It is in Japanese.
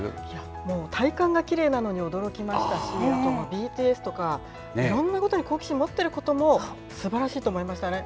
もう体幹がきれいなのに驚きましたし、ＢＴＳとか、いろんなことに好奇心持ってることもすばらしいと思いましたね。